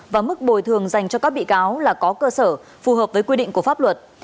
và mức bồi thường dành cho các bị cáo là có cơ sở phù hợp với quy định của pháp luật